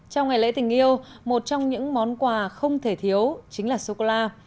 trong ngày lễ tình yêu một trong những món quà không thể thiếu chính là sô cô la